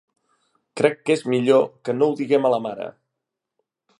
Crec que és millor que no ho diguem a la mare.